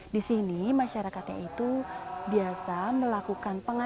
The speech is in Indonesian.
di sini masyarakatnya itu biasa melakukan pengawasan